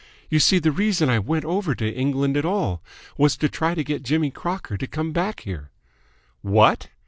You see, the reason I went over to England at all was to try to get Jimmy Crocker to come back here." "What!"